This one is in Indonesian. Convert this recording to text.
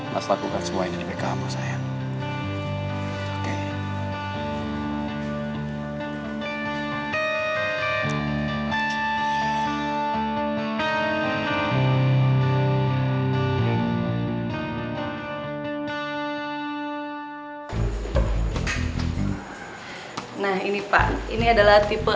mas butuh istirahat